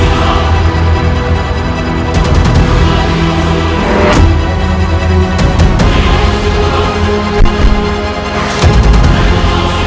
pada saat ada flurinya